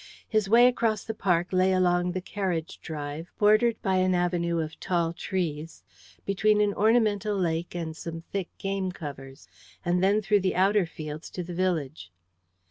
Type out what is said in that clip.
His way across the park lay along the carriage drive, bordered by an avenue of tall trees, between an ornamental lake and some thick game covers, and then through the outer fields to the village.